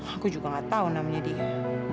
aku juga gak tahu namanya dia